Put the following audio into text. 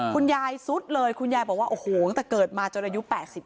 คุณยายสุดเลยคุณยายบอกว่าโอ้โหตั้งแต่เกิดมาจนอายุ๘๙